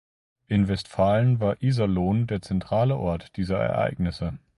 In Westfalen war Iserlohn der zentrale Ort dieser Ereignisse.